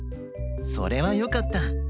それはよかった。